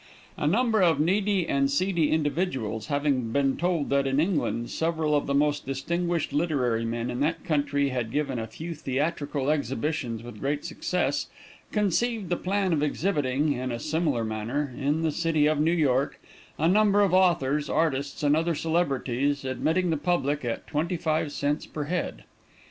A number of needy and seedy individuals having been told that in England several of the most distinguished literary men in that country had given a few theatrical exhibitions with great success, conceived the plan of exhibiting, in a similar manner, in the city of New York, a number of authors, artists and other celebrities, admitting the public at twenty five cents per head.